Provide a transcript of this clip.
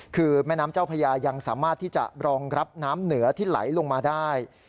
คือแม่น้ำเจ้าพญายังสามารถที่จะรองรับน้ำเหนือที่ไหลลงมาได้